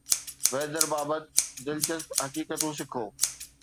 Vader بابت دلچسپ حقيقتون سکو